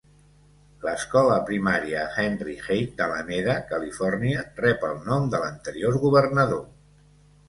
L"escola primària Henry Haight d"Alameda, Califòrnia, rep el nom de l"anterior governador.